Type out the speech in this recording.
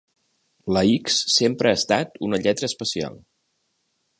La ics sempre ha estat una lletra especial.